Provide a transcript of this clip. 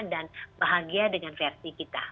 dan bahagia dengan versi kita